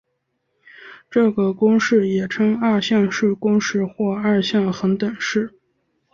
这个公式也称二项式公式或二项恒等式。